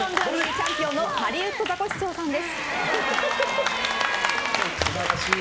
チャンピオンのハリウッドザコシシショウさんです。